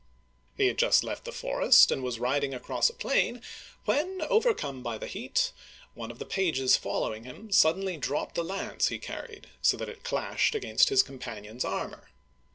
He had just left the forest and was riding across a plain, when, overcome by the heat, one of the pages following him suddenly dropped the lance he carried, so that it clashed against his companion's armor.